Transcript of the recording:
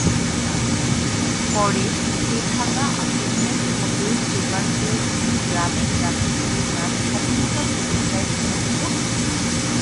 পরে তেভাগা আন্দোলনের খবর জোগাড় করেছেন গ্রামে গ্রামে গিয়ে যা "স্বাধীনতা" পত্রিকায় প্রকাশিত হত।